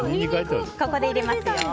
ここで入れますよ。